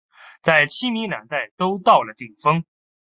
在清民两代都到了顶峰。